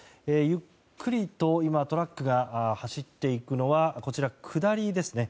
ゆっくりとトラックが走っていくのは下りですね。